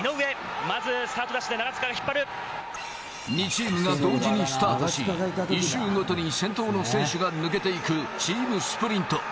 ２チームが同時にスタートし、１周ごとに先頭の選手が抜けていくチームスプリント。